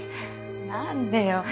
何でよ。